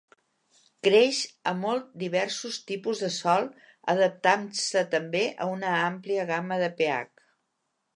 Creix a molt diversos tipus de sòl, adaptant-se també a una àmplia gamma de pH.